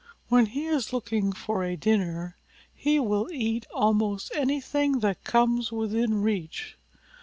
When he is looking for a dinner he will eat almost anything that comes within reach.